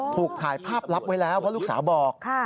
ถูกถ่ายภาพลับไว้แล้วเพราะลูกสาวบอก